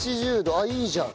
あっいいじゃん。